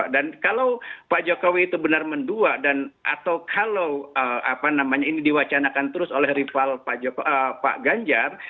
dan kalau pak jokowi itu benar mendua atau kalau ini diwacanakan terus oleh rival pak ganjar